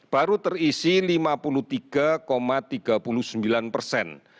baru terisi lima puluh tiga tiga puluh sembilan persen